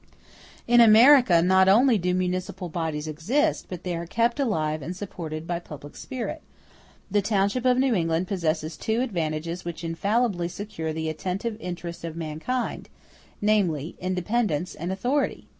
In America, not only do municipal bodies exist, but they are kept alive and supported by public spirit. The township of New England possesses two advantages which infallibly secure the attentive interest of mankind, namely, independence and authority.